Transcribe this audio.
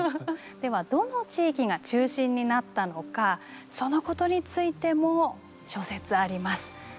ではどの地域が中心になったのかそのことについても諸説あります。